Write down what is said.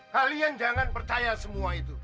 kalian jangan percaya semua itu